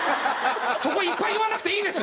そこいっぱい言わなくていいです！